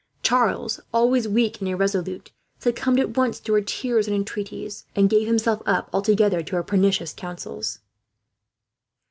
Charles, always weak and irresolute, succumbed at once to her tears and entreaties, and gave himself up altogether to her pernicious counsels.